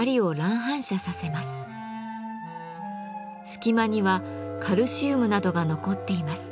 隙間にはカルシウムなどが残っています。